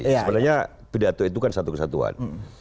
sebenarnya pidato itu kan satu kesatuan